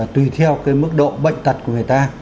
tùy theo cái mức độ bệnh tật của người ta